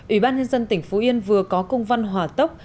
ủy ban nhân dân tỉnh phú yên vừa có công văn hỏa tốc